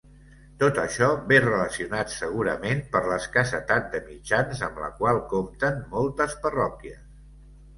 Tot això ve relacionat segurament per l'escassetat de mitjans amb la qual compten moltes parròquies.